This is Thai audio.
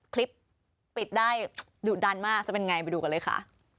คลิปปิดได้ดุดันมากจะเป็นไงไปดูกันเลยค่ะ